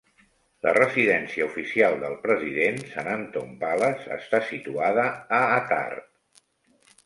La residència oficial del president, San Anton Palace, està situada a Attard.